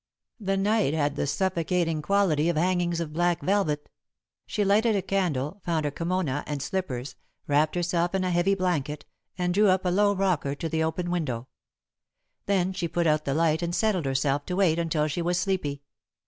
The night had the suffocating quality of hangings of black velvet. [Sidenote: Sitting in the Dark] She lighted a candle, found her kimono and slippers, wrapped herself in a heavy blanket, and drew up a low rocker to the open window. Then she put out the light and settled herself to wait until she was sleepy.